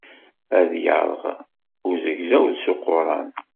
Ad iṛeɣ uzegzaw s uquṛan.